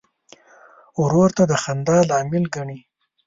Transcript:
ورور ته د خندا لامل ګڼې.